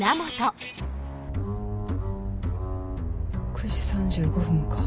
９時３５分か。